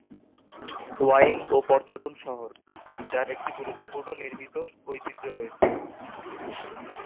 Wine ও পর্যটন শহর, যার একটি গুরুত্বপূর্ণ নির্মিত ঐতিহ্য রয়েছে।